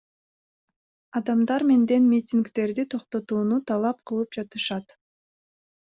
Адамдар менден митингдерди токтотууну талап кылып жатышат.